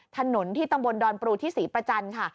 ถนนที่ตำบลดอนปรูที่ศรีประจันทร์ค่ะ